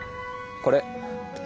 これ。